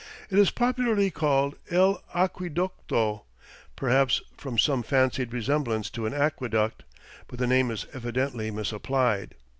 It is popularly called 'El Aqueducto,' perhaps from some fancied resemblance to an aqueduct but the name is evidently misapplied."